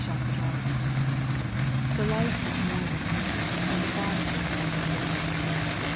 shall pat on. 23 The life is more than meat, and the body is more than raiment.